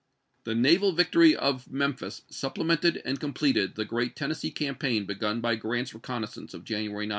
The naval victory of Memphis supplemented and completed the great Tennessee campaign begun by Grant's reconnaissance of January 9.